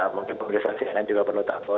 mungkin pemerintah sosial juga perlu tahu